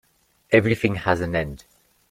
Everything has an end.